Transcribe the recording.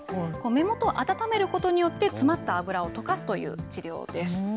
目元を温めることによって、詰まった油を溶かすという治療です。